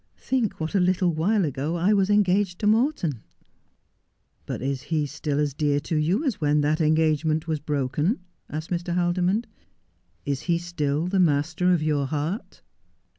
' Think what a little while ago I was engaged to Morton.' ' But is he still as dear to you as when that engagement was broken 1 ' asked Mr. Haldimond. ' Is he still the master of your heart